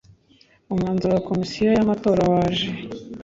Umwanzuro wa Komisiyo yamatora waje